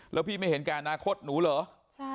แล้วพี่ไม่เห็นแก่อนาคตหนูเหรอ